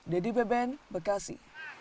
dedy beben bekasi